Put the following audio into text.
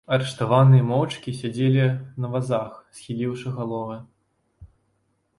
Арыштаваныя моўчкі сядзелі на вазах, схіліўшы галовы.